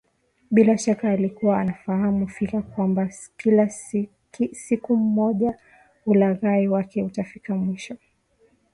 Bila shaka alikuwa anafahamu fika kwamba siku moja ulaghai wake utafikia mwisho